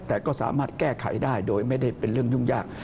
แต่ก็สามารถแก้ไขได้โดยไม่ได้เป็นเรื่องยุ่งยาก